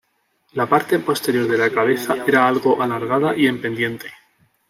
La parte posterior de la cabeza era algo alargada y en pendiente.